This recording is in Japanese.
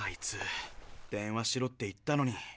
「電話しろ」って言ったのに。